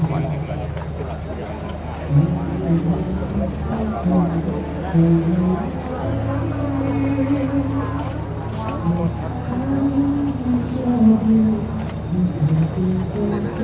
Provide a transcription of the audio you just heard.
แต่ว่าตอนนี้ทุกคนมันจะต้องไปพบพี่แม่ค่ะ